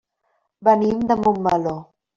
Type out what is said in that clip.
Venim de Montmeló.